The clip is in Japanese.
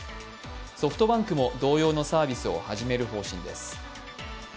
ソフトバンクも同様のサービスを始める方針です。